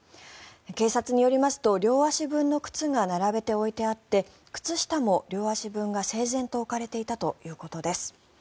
警察によりますと両足分の靴が並べて置いてあって靴下も両足分が整然と置かれていたということです。